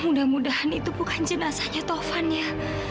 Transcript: mudah mudahan itu bukan jenazahnya tovan ya